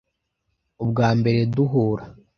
Ubwa mbere duhura